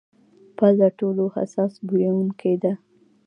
پزه ټولو حساس بویونکې ده.